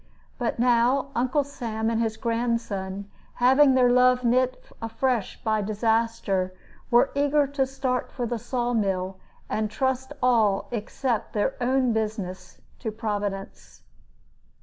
But now Uncle Sam and his grandson, having their love knit afresh by disaster, were eager to start for the Saw mill, and trust all except their own business to Providence.